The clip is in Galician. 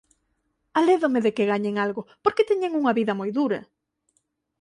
Alédome de que gañen algo, porque teñen unha vida moi dura.